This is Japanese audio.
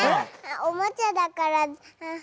おもちゃだから。